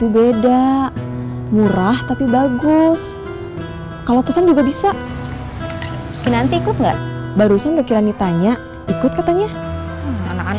sampai jumpa di video selanjutnya